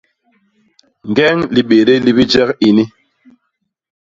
Ñgeñ libédél li bijek ini.